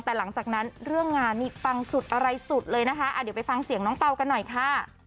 แต่หลังจากนั้นเรื่องงานนี่ปังสุดอะไรสุดเลยนะคะเดี๋ยวไปฟังเสียงน้องเปล่ากันหน่อยค่ะ